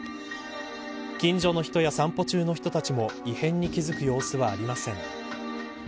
近所の人や散歩中の人たちも異変に気付く様子はありません。